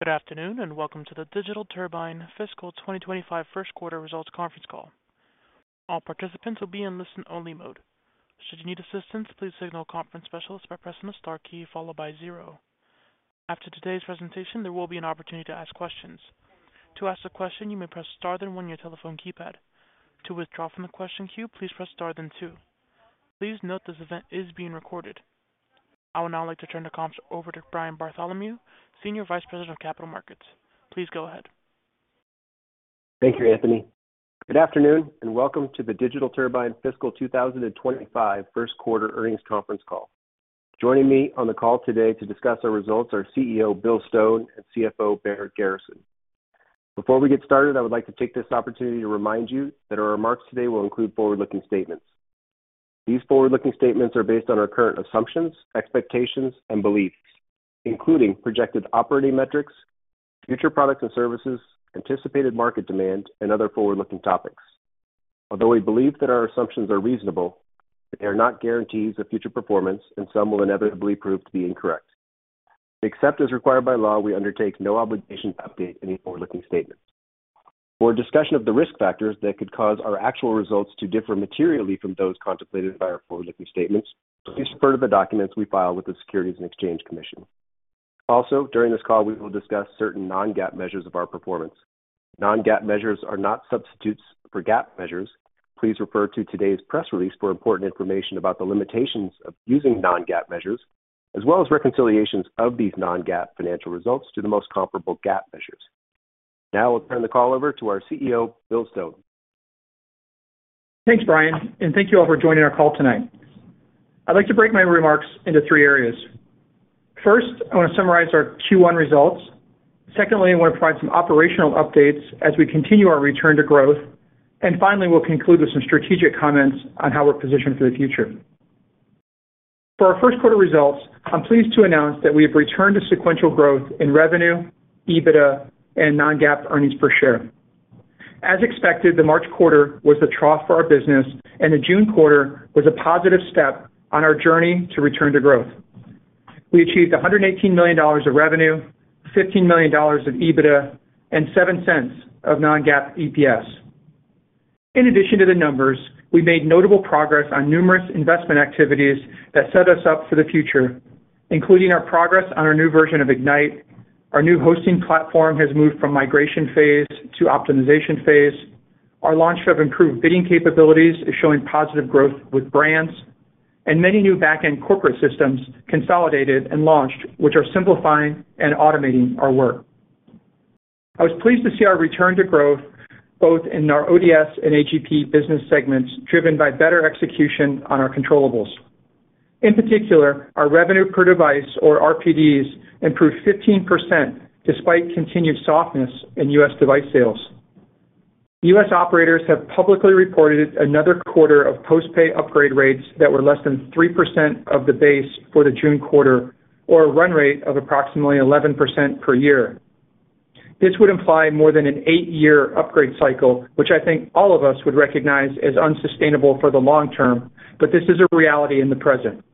Good afternoon, and welcome to the Digital Turbine Fiscal 2025 First Quarter Results Conference Call. All participants will be in listen-only mode. Should you need assistance, please signal a conference specialist by pressing the star key followed by zero. After today's presentation, there will be an opportunity to ask questions. To ask a question, you may press star, then one on your telephone keypad. To withdraw from the question queue, please press star then two. Please note this event is being recorded. I would now like to turn the conference over to Brian Bartholomew, Senior Vice President of Capital Markets. Please go ahead. Thank you, Anthony. Good afternoon, and welcome to the Digital Turbine Fiscal 2025 first quarter earnings conference call. Joining me on the call today to discuss our results are CEO, Bill Stone, and CFO, Barrett Garrison. Before we get started, I would like to take this opportunity to remind you that our remarks today will include forward-looking statements. These forward-looking statements are based on our current assumptions, expectations, and beliefs, including projected operating metrics, future products and services, anticipated market demand, and other forward-looking topics. Although we believe that our assumptions are reasonable, they are not guarantees of future performance, and some will inevitably prove to be incorrect. Except as required by law, we undertake no obligation to update any forward-looking statements. For a discussion of the risk factors that could cause our actual results to differ materially from those contemplated by our forward-looking statements, please refer to the documents we file with the Securities and Exchange Commission. Also, during this call, we will discuss certain non-GAAP measures of our performance. Non-GAAP measures are not substitutes for GAAP measures. Please refer to today's press release for important information about the limitations of using non-GAAP measures, as well as reconciliations of these non-GAAP financial results to the most comparable GAAP measures. Now I'll turn the call over to our CEO, Bill Stone. Thanks, Brian, and thank you all for joining our call tonight. I'd like to break my remarks into three areas. First, I want to summarize our Q1 results. Secondly, I want to provide some operational updates as we continue our return to growth. And finally, we'll conclude with some strategic comments on how we're positioned for the future. For our first quarter results, I'm pleased to announce that we have returned to sequential growth in revenue, EBITDA, and non-GAAP earnings per share. As expected, the March quarter was the trough for our business, and the June quarter was a positive step on our journey to return to growth. We achieved $118 million of revenue, $15 million of EBITDA, and $0.07 of non-GAAP EPS. In addition to the numbers, we made notable progress on numerous investment activities that set us up for the future, including our progress on our new version of Ignite. Our new hosting platform has moved from migration phase to optimization phase. Our launch of improved bidding capabilities is showing positive growth with brands, and many new back-end corporate systems consolidated and launched, which are simplifying and automating our work. I was pleased to see our return to growth, both in our ODS and AGP business segments, driven by better execution on our controllables. In particular, our revenue per device, or RPDs, improved 15%, despite continued softness in U.S. device sales. U.S. operators have publicly reported another quarter of post-pay upgrade rates that were less than 3% of the base for the June quarter, or a run rate of approximately 11% per year. This would imply more than an 8-year upgrade cycle, which I think all of us would recognize as unsustainable for the long term, but this is a reality in the present.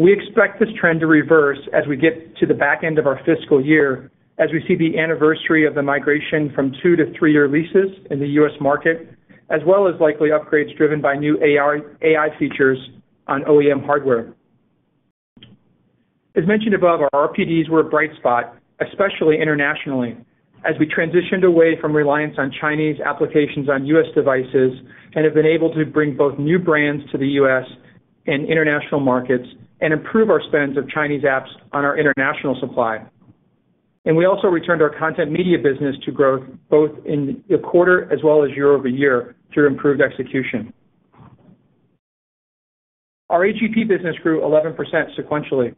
We expect this trend to reverse as we get to the back end of our fiscal year, as we see the anniversary of the migration from 2- to 3-year leases in the U.S. market, as well as likely upgrades driven by new AI features on OEM hardware. As mentioned above, our RPDs were a bright spot, especially internationally, as we transitioned away from reliance on Chinese applications on U.S. devices and have been able to bring both new brands to the U.S. and international markets and improve our spends of Chinese apps on our international supply. We also returned our content media business to growth, both in the quarter as well as year-over-year, through improved execution. Our AGP business grew 11% sequentially.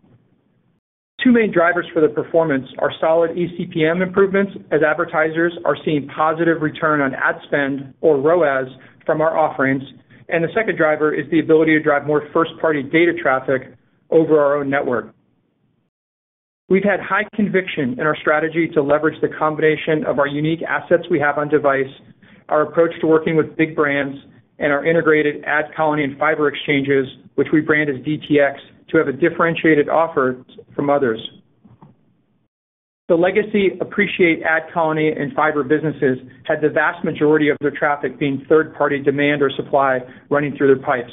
Two main drivers for the performance are solid eCPM improvements, as advertisers are seeing positive return on ad spend, or ROAS, from our offerings, and the second driver is the ability to drive more first-party data traffic over our own network. We've had high conviction in our strategy to leverage the combination of our unique assets we have on device, our approach to working with big brands, and our integrated AdColony and Fyber exchanges, which we brand as DTX, to have a differentiated offer from others. The legacy Appreciate AdColony and Fyber businesses had the vast majority of their traffic being third-party demand or supply running through their pipes.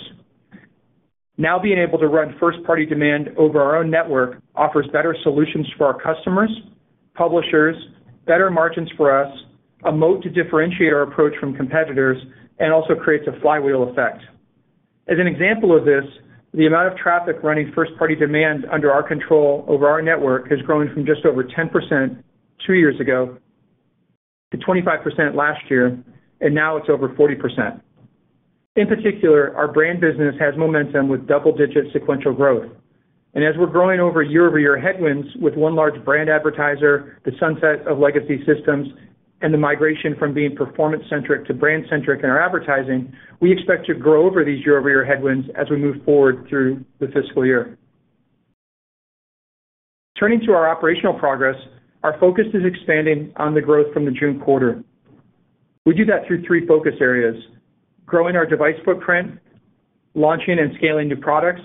Now, being able to run first-party demand over our own network offers better solutions for our customers, publishers, better margins for us, a moat to differentiate our approach from competitors, and also creates a flywheel effect. As an example of this, the amount of traffic running first-party demand under our control over our network has grown from just over 10% two years ago to 25% last year, and now it's over 40%. In particular, our brand business has momentum with double-digit sequential growth. As we're growing over year-over-year headwinds with one large brand advertiser, the sunset of legacy systems, and the migration from being performance-centric to brand-centric in our advertising, we expect to grow over these year-over-year headwinds as we move forward through the fiscal year. Turning to our operational progress, our focus is expanding on the growth from the June quarter. We do that through three focus areas: growing our device footprint, launching and scaling new products,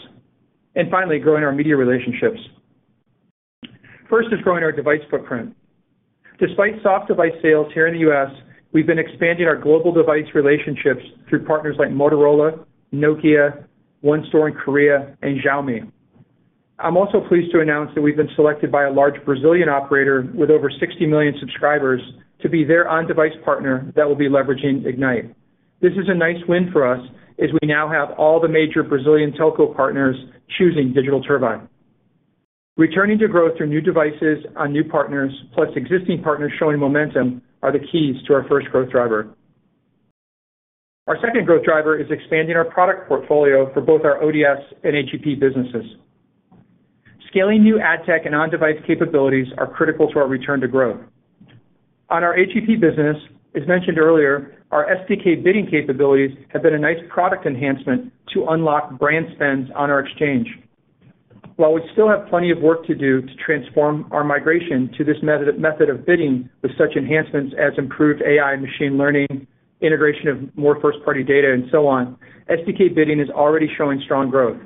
and finally, growing our media relationships. First is growing our device footprint. Despite soft device sales here in the U.S., we've been expanding our global device relationships through partners like Motorola, Nokia, ONE Store in Korea, and Xiaomi. I'm also pleased to announce that we've been selected by a large Brazilian operator with over 60 million subscribers to be their on-device partner that will be leveraging Ignite. This is a nice win for us, as we now have all the major Brazilian telco partners choosing Digital Turbine. Returning to growth through new devices on new partners, plus existing partners showing momentum, are the keys to our first growth driver. Our second growth driver is expanding our product portfolio for both our ODS and AGP businesses. Scaling new ad tech and on-device capabilities are critical to our return to growth. On our AGP business, as mentioned earlier, our SDK bidding capabilities have been a nice product enhancement to unlock brand spends on our exchange. While we still have plenty of work to do to transform our migration to this method of bidding, with such enhancements as improved AI and machine learning, integration of more first-party data, and so on, SDK bidding is already showing strong growth.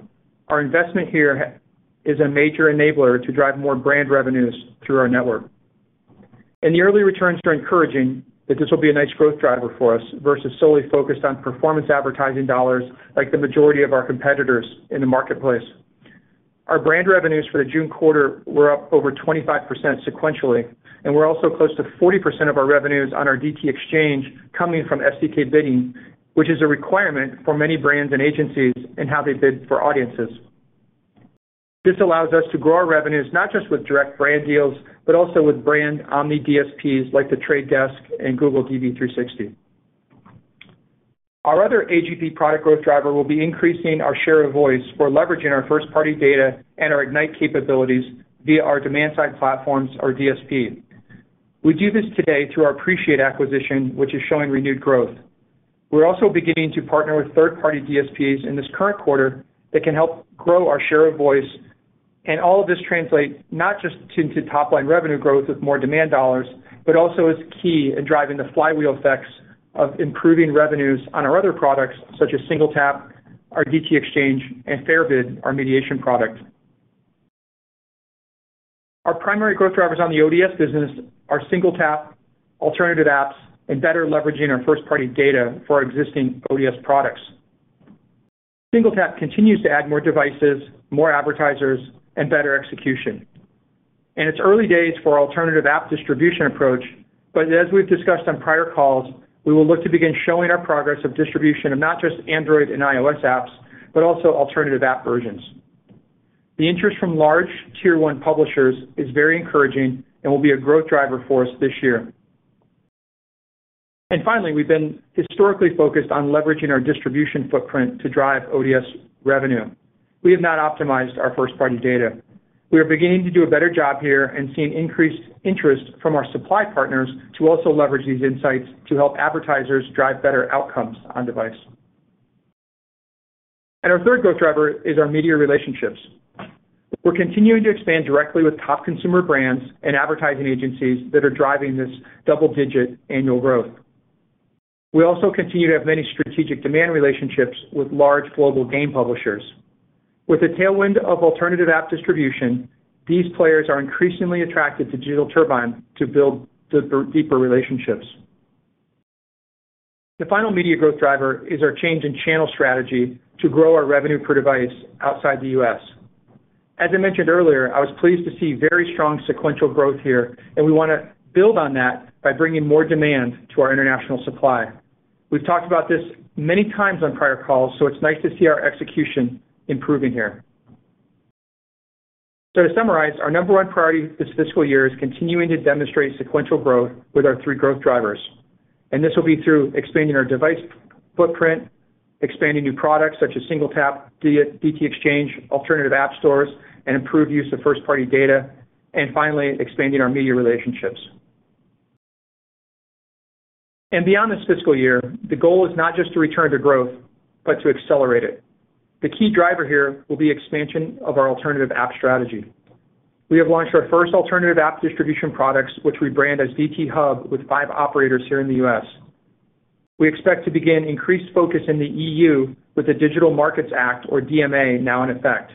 Our investment here is a major enabler to drive more brand revenues through our network. The early returns are encouraging that this will be a nice growth driver for us, versus solely focused on performance advertising dollars, like the majority of our competitors in the marketplace. Our brand revenues for the June quarter were up over 25% sequentially, and we're also close to 40% of our revenues on our DTX Exchange coming from SDK bidding, which is a requirement for many brands and agencies in how they bid for audiences. This allows us to grow our revenues, not just with direct brand deals, but also with brand omni DSPs, like The Trade Desk and Google DV360. Our other AGP product growth driver will be increasing our share of voice for leveraging our first-party data and our Ignite capabilities via our demand-side platforms or DSP. We do this today through our Appreciate acquisition, which is showing renewed growth. We're also beginning to partner with third-party DSPs in this current quarter that can help grow our share of voice, and all of this translate not just to, to top-line revenue growth with more demand dollars, but also is key in driving the flywheel effects of improving revenues on our other products, such as SingleTap, our DT Exchange, and FairBid, our mediation product. Our primary growth drivers on the ODS business are SingleTap, alternative apps, and better leveraging our first-party data for our existing ODS products. SingleTap continues to add more devices, more advertisers, and better execution. It's early days for our alternative app distribution approach, but as we've discussed on prior calls, we will look to begin showing our progress of distribution of not just Android and iOS apps, but also alternative app versions. The interest from large Tier One publishers is very encouraging and will be a growth driver for us this year. And finally, we've been historically focused on leveraging our distribution footprint to drive ODS revenue. We have not optimized our first-party data. We are beginning to do a better job here and seeing increased interest from our supply partners to also leverage these insights to help advertisers drive better outcomes on device. And our third growth driver is our media relationships. We're continuing to expand directly with top consumer brands and advertising agencies that are driving this double-digit annual growth. We also continue to have many strategic demand relationships with large global game publishers. With the tailwind of alternative app distribution, these players are increasingly attracted to Digital Turbine to build deeper relationships. The final media growth driver is our change in channel strategy to grow our revenue per device outside the U.S. As I mentioned earlier, I was pleased to see very strong sequential growth here, and we want to build on that by bringing more demand to our international supply. We've talked about this many times on prior calls, so it's nice to see our execution improving here. To summarize, our number one priority this fiscal year is continuing to demonstrate sequential growth with our three growth drivers, and this will be through expanding our device footprint, expanding new products, such as SingleTap, DT Exchange, alternative app stores, and improved use of first-party data, and finally, expanding our media relationships. Beyond this fiscal year, the goal is not just to return to growth, but to accelerate it. The key driver here will be expansion of our alternative app strategy. We have launched our first alternative app distribution products, which we brand as DT Hub, with five operators here in the U.S. We expect to begin increased focus in the EU with the Digital Markets Act, or DMA, now in effect.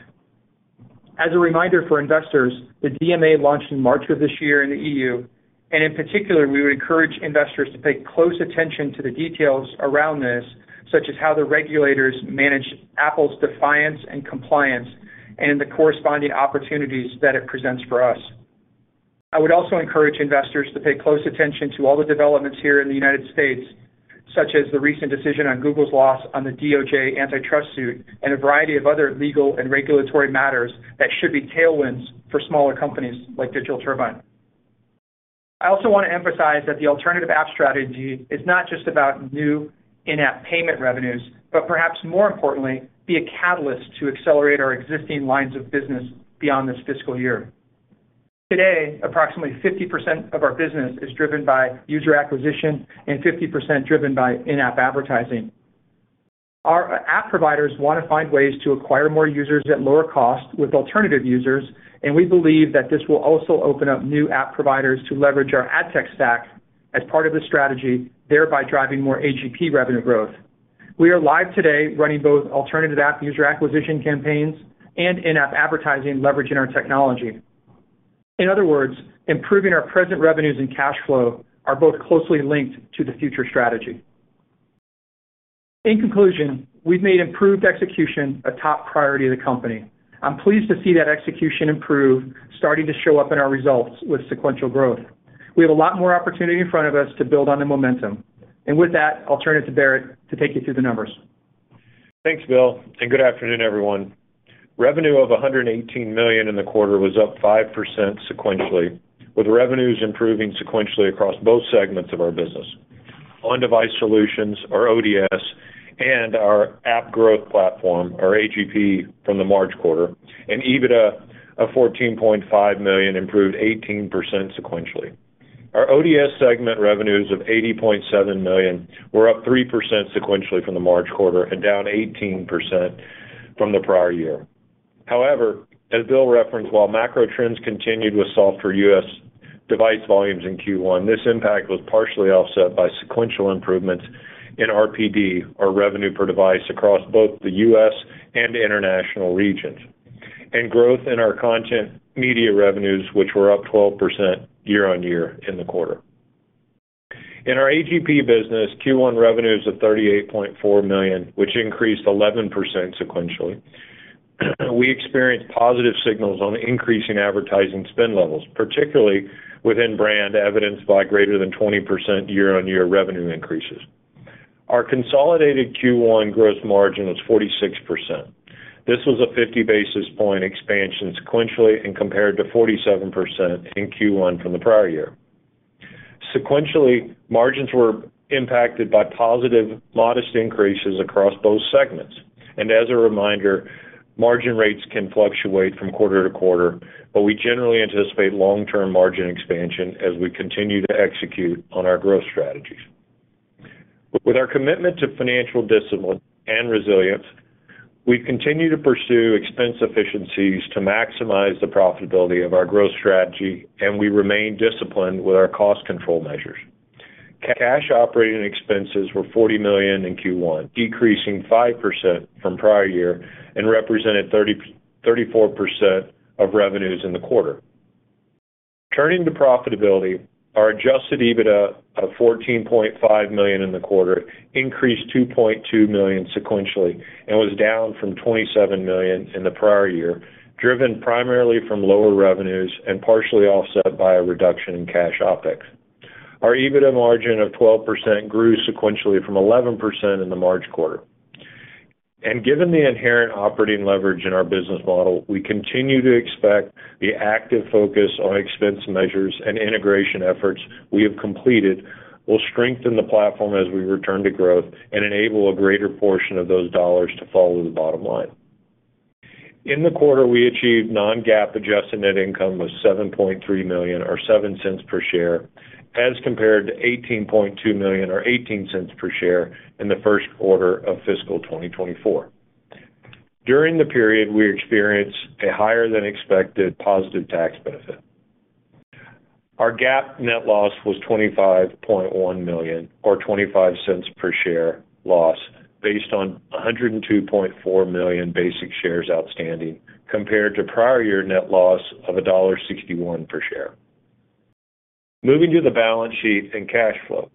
As a reminder for investors, the DMA launched in March of this year in the EU, and in particular, we would encourage investors to pay close attention to the details around this, such as how the regulators manage Apple's defiance and compliance and the corresponding opportunities that it presents for us. I would also encourage investors to pay close attention to all the developments here in the United States, such as the recent decision on Google's loss on the DOJ antitrust suit and a variety of other legal and regulatory matters that should be tailwinds for smaller companies like Digital Turbine. I also want to emphasize that the alternative app strategy is not just about new in-app payment revenues, but perhaps more importantly, be a catalyst to accelerate our existing lines of business beyond this fiscal year. Today, approximately 50% of our business is driven by user acquisition and 50% driven by in-app advertising.... Our app providers want to find ways to acquire more users at lower costs with alternative users, and we believe that this will also open up new app providers to leverage our ad tech stack as part of the strategy, thereby driving more AGP revenue growth. We are live today running both alternative app user acquisition campaigns and in-app advertising, leveraging our technology. In other words, improving our present revenues and cash flow are both closely linked to the future strategy. In conclusion, we've made improved execution a top priority of the company. I'm pleased to see that execution improve, starting to show up in our results with sequential growth. We have a lot more opportunity in front of us to build on the momentum. And with that, I'll turn it to Barrett to take you through the numbers. Thanks, Bill, and good afternoon, everyone. Revenue of $118 million in the quarter was up 5% sequentially, with revenues improving sequentially across both segments of our business. On-Device Solutions, or ODS, and our App Growth Platform, our AGP, from the March quarter, and EBITDA of $14.5 million improved 18% sequentially. Our ODS segment revenues of $80.7 million were up 3% sequentially from the March quarter and down 18% from the prior year. However, as Bill referenced, while macro trends continued with softer U.S. device volumes in Q1, this impact was partially offset by sequential improvements in RPD, our revenue per device, across both the U.S. and international regions, and growth in our content media revenues, which were up 12% year-on-year in the quarter. In our AGP business, Q1 revenues of $38.4 million, which increased 11% sequentially. We experienced positive signals on increasing advertising spend levels, particularly within brand, evidenced by greater than 20% year-on-year revenue increases. Our consolidated Q1 growth margin was 46%. This was a 50 basis point expansion sequentially and compared to 47% in Q1 from the prior year. Sequentially, margins were impacted by positive, modest increases across both segments, and as a reminder, margin rates can fluctuate from quarter to quarter, but we generally anticipate long-term margin expansion as we continue to execute on our growth strategies. With our commitment to financial discipline and resilience, we continue to pursue expense efficiencies to maximize the profitability of our growth strategy, and we remain disciplined with our cost control measures. Cash operating expenses were $40 million in Q1, decreasing 5% from prior year and represented 34% of revenues in the quarter. Turning to profitability, our Adjusted EBITDA of $14.5 million in the quarter increased $2.2 million sequentially and was down from $27 million in the prior year, driven primarily from lower revenues and partially offset by a reduction in cash OpEx. Our EBITDA margin of 12% grew sequentially from 11% in the March quarter. Given the inherent operating leverage in our business model, we continue to expect the active focus on expense measures and integration efforts we have completed will strengthen the platform as we return to growth and enable a greater portion of those dollars to fall to the bottom line. In the quarter, we achieved non-GAAP adjusted net income of $7.3 million, or $0.07 per share, as compared to $18.2 million, or $0.18 per share, in the first quarter of fiscal 2024. During the period, we experienced a higher-than-expected positive tax benefit. Our GAAP net loss was $25.1 million, or $0.25 per share loss, based on 102.4 million basic shares outstanding, compared to prior year net loss of $1.61 per share. Moving to the balance sheet and cash flow.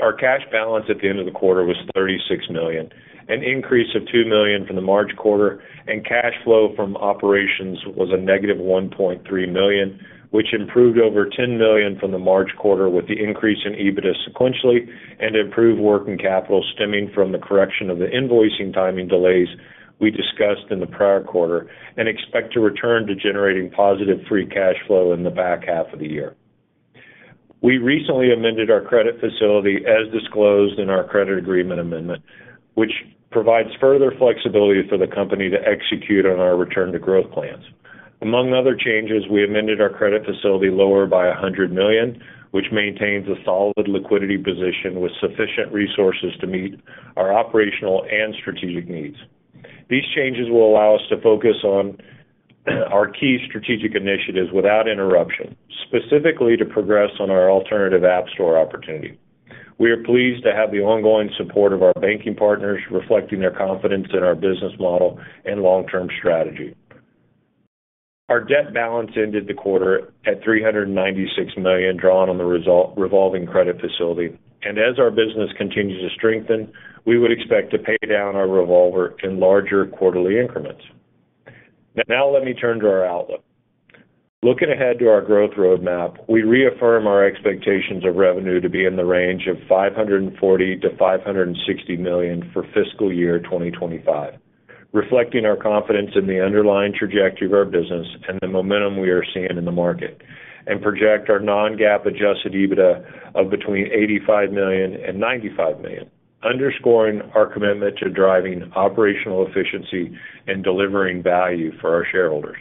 Our cash balance at the end of the quarter was $36 million, an increase of $2 million from the March quarter, and cash flow from operations was a negative $1.3 million, which improved over $10 million from the March quarter, with the increase in EBITDA sequentially and improved working capital stemming from the correction of the invoicing timing delays we discussed in the prior quarter, and expect to return to generating positive free cash flow in the back half of the year. We recently amended our credit facility, as disclosed in our credit agreement amendment, which provides further flexibility for the company to execute on our return to growth plans. Among other changes, we amended our credit facility lower by $100 million, which maintains a solid liquidity position with sufficient resources to meet our operational and strategic needs. These changes will allow us to focus on our key strategic initiatives without interruption, specifically to progress on our alternative app store opportunity. We are pleased to have the ongoing support of our banking partners, reflecting their confidence in our business model and long-term strategy. Our debt balance ended the quarter at $396 million, drawn on the resulting revolving credit facility. As our business continues to strengthen, we would expect to pay down our revolver in larger quarterly increments. Now let me turn to our outlook. Looking ahead to our growth roadmap, we reaffirm our expectations of revenue to be in the range of $540 million-$560 million for fiscal year 2025, reflecting our confidence in the underlying trajectory of our business and the momentum we are seeing in the market, and project our non-GAAP Adjusted EBITDA of between $85 million and $95 million, underscoring our commitment to driving operational efficiency and delivering value for our shareholders.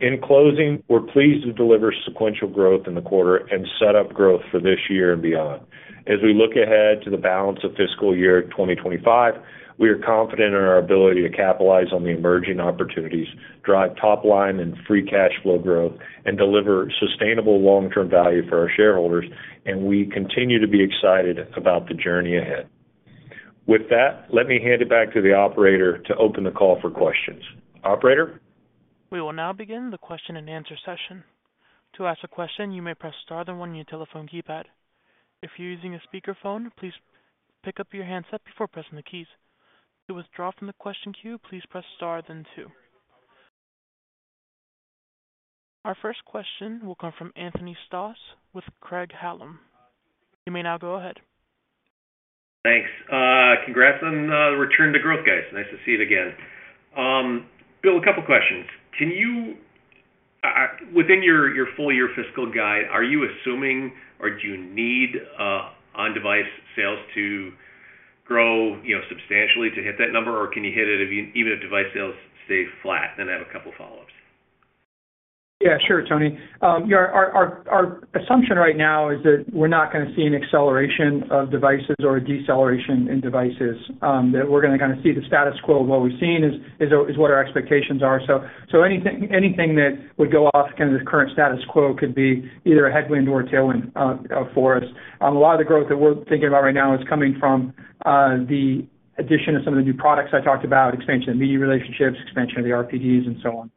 In closing, we're pleased to deliver sequential growth in the quarter and set up growth for this year and beyond. As we look ahead to the balance of fiscal year 2025, we are confident in our ability to capitalize on the emerging opportunities, drive top line and free cash flow growth, and deliver sustainable long-term value for our shareholders, and we continue to be excited about the journey ahead. With that, let me hand it back to the operator to open the call for questions. Operator? We will now begin the question-and-answer session. To ask a question, you may press star then one on your telephone keypad. If you're using a speakerphone, please pick up your handset before pressing the keys. To withdraw from the question queue, please press star then two. Our first question will come from Anthony Stoss with Craig-Hallum. You may now go ahead. Thanks. Congrats on the return to growth, guys. Nice to see it again. Bill, a couple questions. Can you within your full year fiscal guide, are you assuming or do you need on-device sales to grow, you know, substantially to hit that number? Or can you hit it even if device sales stay flat? Then I have a couple follow-ups. Yeah, sure, Tony. Our assumption right now is that we're not gonna see an acceleration of devices or a deceleration in devices, that we're gonna see the status quo of what we've seen is what our expectations are. Anything that would go off kind of the current status quo could be either a headwind or a tailwind for us. A lot of the growth that we're thinking about right now is coming from the addition of some of the new products I talked about, expansion of the media relationships, expansion of the RPDs, and so on.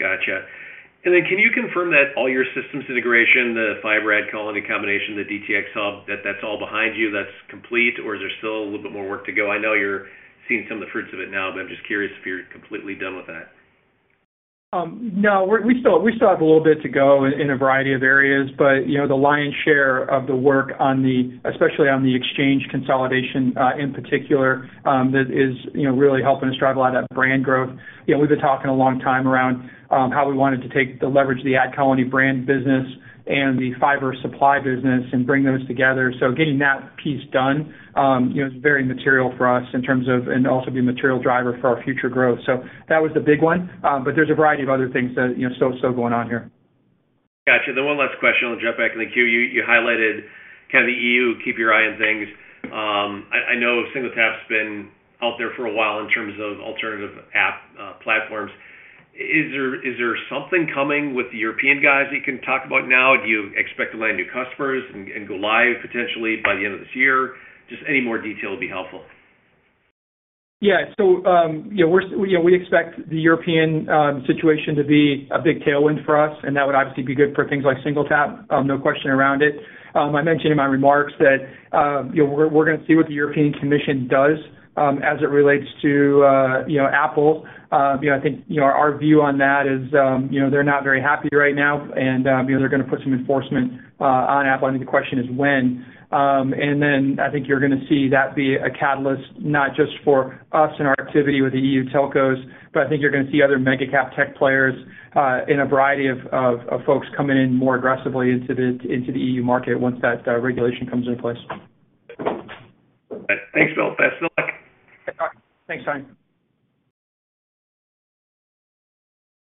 Gotcha. And then can you confirm that all your systems integration, the Fyber AdColony combination, the DT Hub, that that's all behind you, that's complete, or is there still a little bit more work to go? I know you're seeing some of the fruits of it now, but I'm just curious if you're completely done with that. No, we still have a little bit to go in a variety of areas, but, you know, the lion's share of the work on the, especially on the exchange consolidation, in particular, that is, you know, really helping us drive a lot of that brand growth. You know, we've been talking a long time around how we wanted to take the leverage of the AdColony brand business and the Fyber supply business and bring those together. So getting that piece done, you know, is very material for us in terms of, and also be a material driver for our future growth. So that was the big one, but there's a variety of other things that, you know, still going on here. Gotcha. The one last question, I'll jump back in the queue. You highlighted kind of the EU, keep your eye on things. I know SingleTap's been out there for a while in terms of alternative app platforms. Is there something coming with the European guys you can talk about now? Do you expect to land new customers and go live potentially by the end of this year? Just any more detail would be helpful. Yeah. So, you know, we're, you know, we expect the European situation to be a big tailwind for us, and that would obviously be good for things like SingleTap, no question around it. I mentioned in my remarks that, you know, we're, we're gonna see what the European Commission does, as it relates to, you know, Apple. You know, I think, you know, our view on that is, you know, they're not very happy right now, and, you know, they're gonna put some enforcement on Apple. I think the question is when. And then I think you're gonna see that be a catalyst, not just for us and our activity with the EU telcos, but I think you're gonna see other mega cap tech players in a variety of folks coming in more aggressively into the EU market once that regulation comes in place. Thanks, Bill. Best of luck. Thanks, Tony.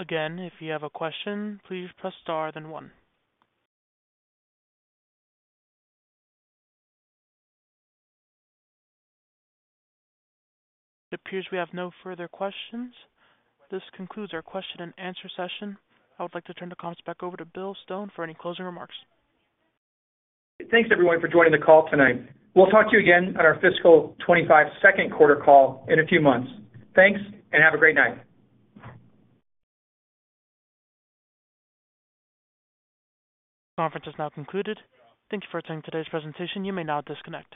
Again, if you have a question, please press star then one. It appears we have no further questions. This concludes our question-and-answer session. I would like to turn the conference back over to Bill Stone for any closing remarks. Thanks, everyone, for joining the call tonight. We'll talk to you again on our fiscal 2025 second quarter call in a few months. Thanks, and have a great night. Conference is now concluded. Thank you for attending today's presentation. You may now disconnect.